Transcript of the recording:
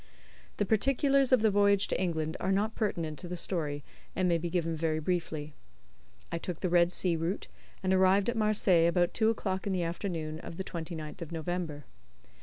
The particulars of the voyage to England are not pertinent to the story, and may be given very briefly. I took the Red Sea route, and arrived at Marseilles about two o'clock in the afternoon of the 29th of November.